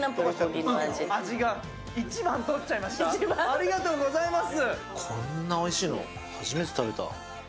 ありがとうございます！